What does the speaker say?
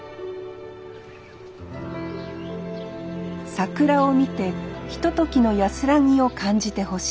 桜を見てひとときの安らぎを感じてほしい。